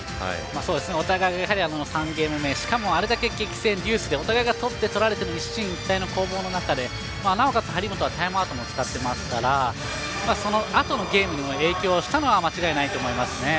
お互い、３ゲーム目あれだけ激戦デュースでお互いが取って取られての一進一退の攻防の中でなおかつ張本はタイムアウトも使ってますからそのあとのゲームにも影響したのは間違いないと思います。